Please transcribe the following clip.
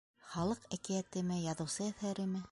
— Халыҡ әкиәтеме, яҙыусы әҫәреме?